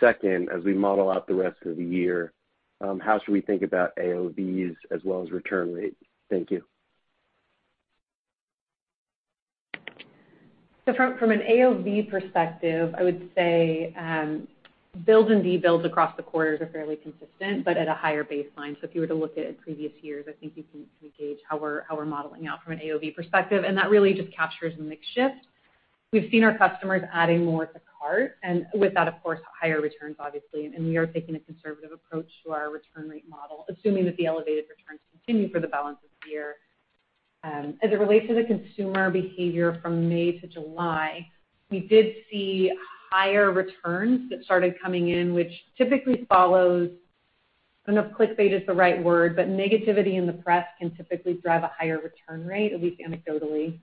S11: Second, as we model out the rest of the year, how should we think about AOV as well as return rates? Thank you.
S5: From an AOV perspective, I would say builds and debuilds across the quarters are fairly consistent, but at a higher baseline. If you were to look at previous years, I think you can gauge how we're modeling out from an AOV perspective. That really just captures mix shift. We've seen our customers adding more to cart, and with that, of course, higher returns obviously. We are taking a conservative approach to our return rate model, assuming that the elevated returns continue for the balance of the year. As it relates to the consumer behavior from May to July, we did see higher returns that started coming in, which typically follows. I don't know if clickbait is the right word, but negativity in the press can typically drive a higher return rate, at least anecdotally.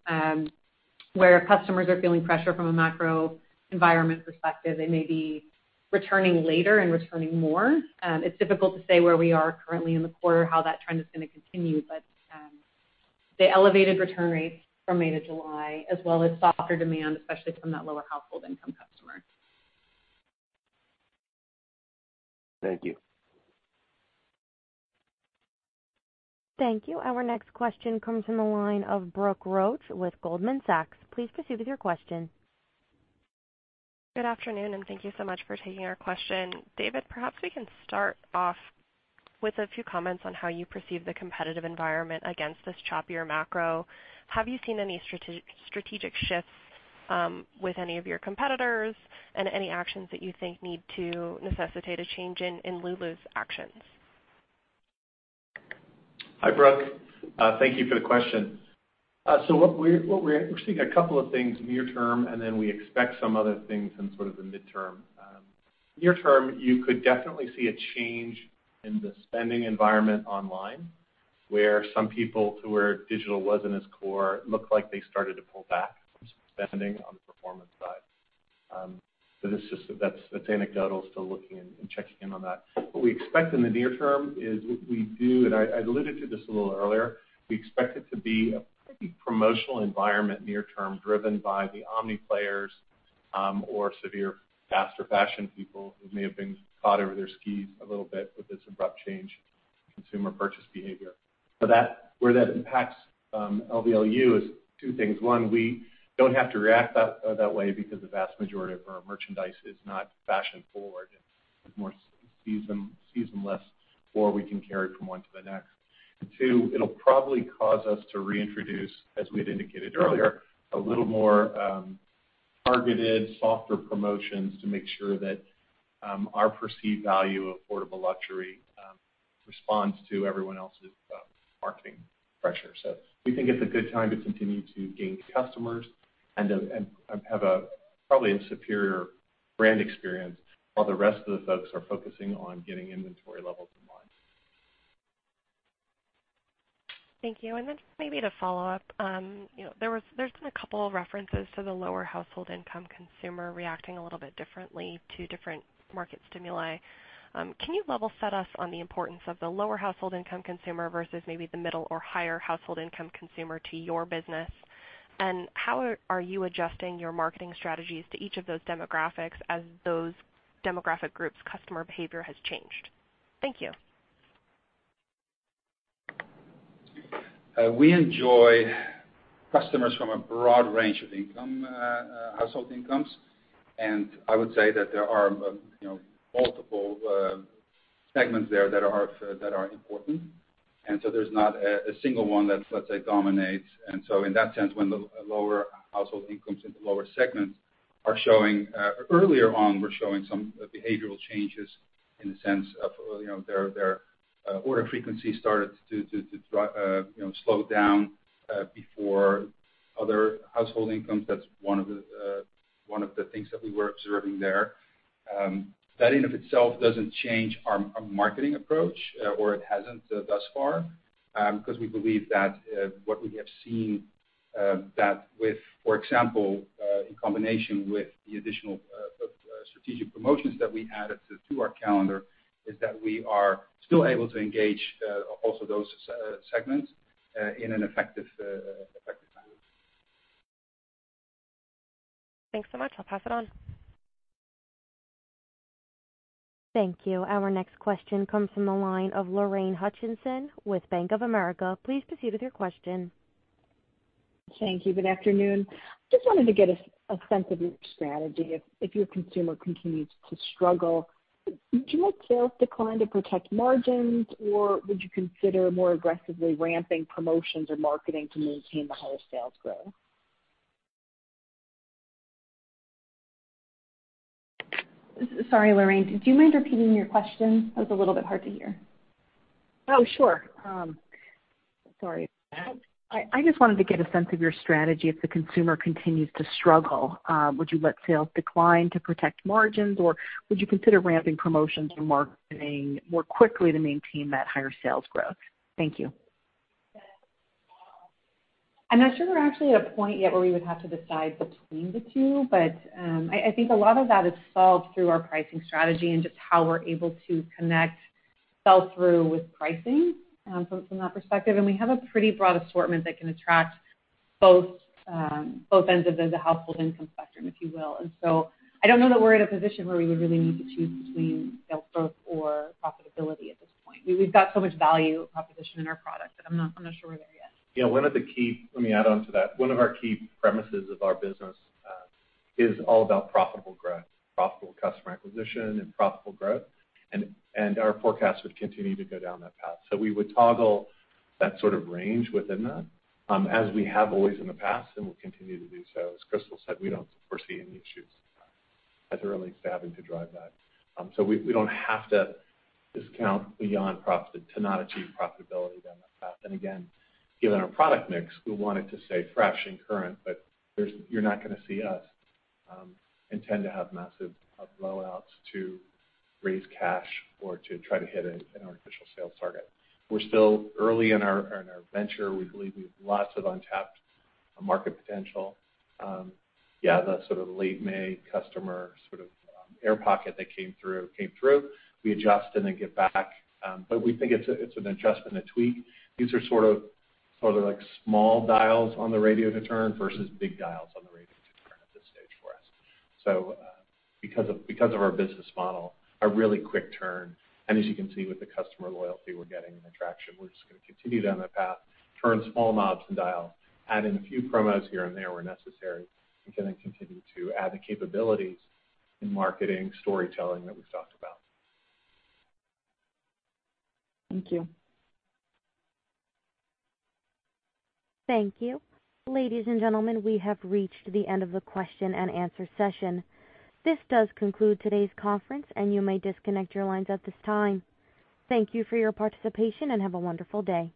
S5: Where customers are feeling pressure from a macro environment perspective, they may be returning later and returning more. It's difficult to say where we are currently in the quarter, how that trend is gonna continue. The elevated return rates from May to July, as well as softer demand, especially from that lower household income customer.
S11: Thank you.
S1: Thank you. Our next question comes from the line of Brooke Roach with Goldman Sachs. Please proceed with your question.
S12: Good afternoon, and thank you so much for taking our question. David, perhaps we can start off with a few comments on how you perceive the competitive environment against this choppier macro. Have you seen any strategic shifts with any of your competitors and any actions that you think need to necessitate a change in Lulu's actions?
S3: Hi, Brooke. Thank you for the question. What we're. We're seeing a couple of things near term, and then we expect some other things in sort of the midterm. Near term, you could definitely see a change in the spending environment online, where some people who were digital wasn't as core looked like they started to pull back from spending on the performance side. This is just. That's anecdotal. Still looking and checking in on that. What we expect in the near term is we do, and I alluded to this a little earlier, we expect it to be a pretty promotional environment near term, driven by the omni players, or Shein fast fashion people who may have been caught over their skis a little bit with this abrupt change in consumer purchase behavior. That impacts LVLU in two things. One, we don't have to react that way because the vast majority of our merchandise is not fashion-forward. It's more seasonal, seasonless, or we can carry it from one to the next. Two, it'll probably cause us to reintroduce, as we had indicated earlier, a little more targeted softer promotions to make sure that our perceived value of affordable luxury responds to everyone else's marketing pressure. We think it's a good time to continue to gain customers and have, probably, a superior brand experience while the rest of the folks are focusing on getting inventory levels in line.
S12: Thank you. Then just maybe to follow up. You know, there's been a couple of references to the lower household income consumer reacting a little bit differently to different market stimuli. Can you level set us on the importance of the lower household income consumer versus maybe the middle or higher household income consumer to your business? How are you adjusting your marketing strategies to each of those demographics as those demographic groups customer behavior has changed? Thank you.
S3: We enjoy customers from a broad range of income, household incomes. I would say that there are, you know, multiple segments there that are important. There's not a single one that, let's say, dominates. In that sense, when the lower household incomes in the lower segments, earlier on were showing some behavioral changes in the sense of, you know, their order frequency started to slow down, you know, before other household incomes. That's one of the things that we were observing there. That in and of itself doesn't change our marketing approach, or it hasn't thus far, 'cause we believe that what we have seen is that with, for example, in combination with the additional strategic promotions that we added to our calendar, we are still able to engage also those segments in an effective way.
S12: Thanks so much. I'll pass it on.
S1: Thank you. Our next question comes from the line of Lorraine Hutchinson with Bank of America. Please proceed with your question.
S13: Thank you. Good afternoon. Just wanted to get a sense of your strategy if your consumer continues to struggle. Would you let sales decline to protect margins, or would you consider more aggressively ramping promotions or marketing to maintain the higher sales growth?
S5: Sorry, Lorraine, did you mind repeating your question? That was a little bit hard to hear.
S13: Oh, sure. Sorry. I just wanted to get a sense of your strategy if the consumer continues to struggle. Would you let sales decline to protect margins, or would you consider ramping promotions or marketing more quickly to maintain that higher sales growth? Thank you.
S5: I'm not sure we're actually at a point yet where we would have to decide between the two, but I think a lot of that is solved through our pricing strategy and just how we're able to connect sell-through with pricing from that perspective. We have a pretty broad assortment that can attract both ends of the household income spectrum, if you will. I don't know that we're in a position where we would really need to choose between sales growth or profitability at this point. We've got so much value proposition in our products that I'm not sure we're there yet.
S3: Let me add on to that. One of our key premises of our business is all about profitable growth, profitable customer acquisition and profitable growth, and our forecast would continue to go down that path. We would toggle that sort of range within that, as we have always in the past and will continue to do so. As Crystal said, we don't foresee any issues at the early stage having to drive that. We don't have to discount beyond profit to not achieve profitability down that path. Given our product mix, we want it to stay fresh and current, but you're not gonna see us intend to have massive blowouts to raise cash or to try to hit an artificial sales target. We're still early in our venture. We believe we have lots of untapped market potential. The sort of late May customer air pocket that came through. We adjust and then get back, but we think it's an adjustment, a tweak. These are sort of like small dials on the radio to turn versus big dials on the radio to turn at this stage for us. Because of our business model, a really quick turn. As you can see with the customer loyalty, we're getting the traction. We're just gonna continue down that path, turn small knobs and dials, add in a few promos here and there where necessary, and gonna continue to add the capabilities in marketing, storytelling that we've talked about.
S13: Thank you.
S1: Thank you. Ladies and gentlemen, we have reached the end of the question and answer session. This does conclude today's conference, and you may disconnect your lines at this time. Thank you for your participation, and have a wonderful day.